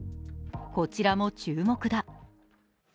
こちらも注目だ。